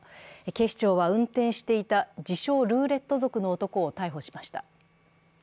警視庁は、運転していた自称ルーレット族の男を逮捕しました。